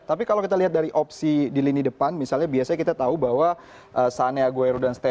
tapi kalau kita lihat dari opsi di lini depan misalnya biasanya kita tahu bahwa sane aguero dan ste